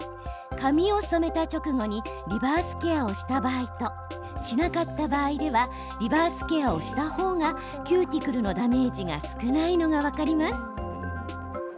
髪を染めた直後にリバースケアをした場合としなかった場合ではリバースケアをした方がキューティクルのダメージが少ないのが分かります。